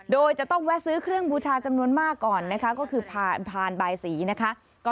โดยจะต้องแวะซื้อเครื่องบูชาจำนวนมากก่อนนะคะก็คือผ่านบายสีนะคะ